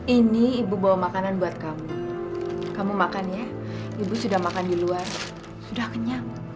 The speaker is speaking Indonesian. ini ibu bawa makanan buat kamu kamu makannya ibu sudah makan di luar sudah kenyang